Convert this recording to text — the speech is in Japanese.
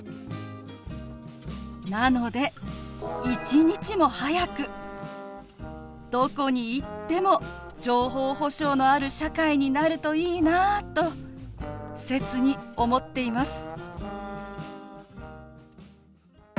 なので一日も早くどこに行っても情報保障のある社会になるといいなあと切に思っています。